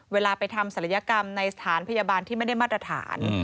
เวลาไปทำศัลยกรรมในสถานพยาบาลที่ไม่ได้มาตรฐาน